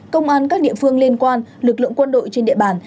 công an các địa phương liên quan lực lượng quân đội trên địa bàn